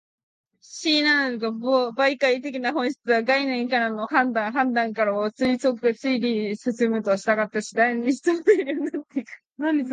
思惟の媒介的な本質は、概念から判断、判断から推理と進むに従って、次第に一層明瞭になってくる。